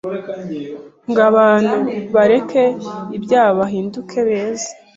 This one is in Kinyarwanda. ngo abantu bareke ibyaha bahinduke beza.